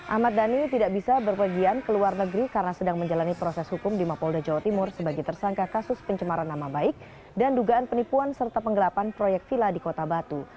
ahmad dhani tidak bisa berpergian ke luar negeri karena sedang menjalani proses hukum di mapolda jawa timur sebagai tersangka kasus pencemaran nama baik dan dugaan penipuan serta penggelapan proyek vila di kota batu